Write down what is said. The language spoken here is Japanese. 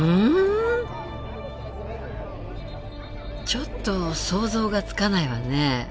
ちょっと想像がつかないわね。